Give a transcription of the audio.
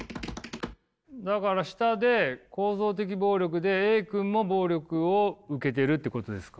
だから下で構造的暴力でＡ君も暴力を受けてるってことですか。